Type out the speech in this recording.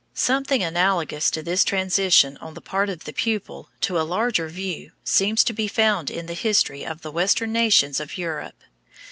Something analogous to this transition on the part of the pupil to a larger view seems to be found in the history of the western nations of Europe.